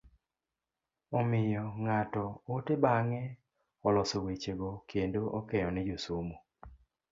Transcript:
Omiyo ng'ato ote bang'e oloso weche go kendo okeyo ne josomo.